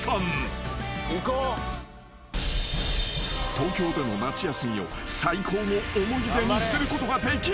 ［東京での夏休みを最高の思い出にすることができるのか？］